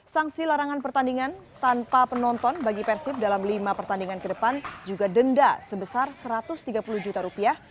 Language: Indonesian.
sanksi larangan pertandingan tanpa penonton bagi persib dalam lima pertandingan ke depan juga denda sebesar satu ratus tiga puluh juta rupiah